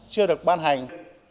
chưa được ban hành